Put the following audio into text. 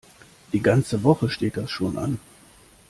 Die ganze Woche steht das schon an.